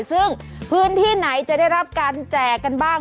ซึ่งพื้นที่ไหนจะได้รับการแจกกันบ้าง